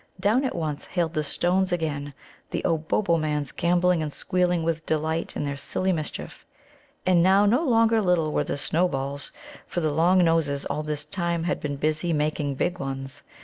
Down at once hailed the stones again, the Obobbomans gambolling and squealing with delight in their silly mischief. And now no longer little were the snowballs, for the Long noses all this time had been busy making big ones.